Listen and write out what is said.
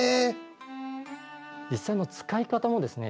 実際の使い方もですね